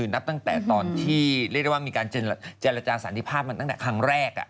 นับตั้งแต่ตอนที่มีการเจรจาสันติภาพมาตั้งแต่ครั้งแรก